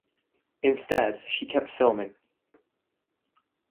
Instead, she kept filming.